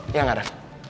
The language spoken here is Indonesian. iya gak ada